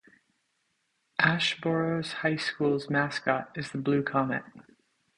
Asheboro High School's mascot is the Blue Comet.